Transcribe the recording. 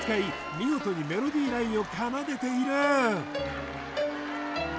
見事にメロディーラインを奏でている